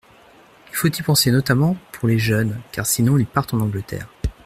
Il faut y penser notamment pour les jeunes, car sinon ils partent en Angleterre.